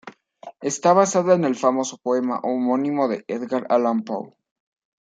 Está basada en el famoso poema homónimo de Edgar Allan Poe.